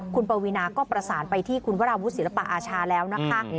คุณปวีนาก็ประสานไปที่คุณวราวุศิลปะอาชาแล้วนะคะ